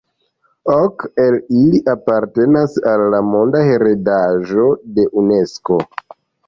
Ok el ili apartenas al la monda heredaĵo de Unesko.